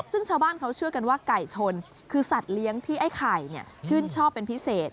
ซึ่งชาวบ้านเขาเชื่อกันว่าไก่ชนคือสัตว์เลี้ยงที่ไอ้ไข่ชื่นชอบเป็นพิเศษ